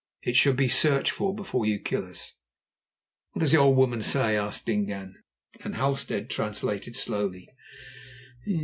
It should be searched for before you kill us." "What does the old woman say?" asked Dingaan, and Halstead translated slowly.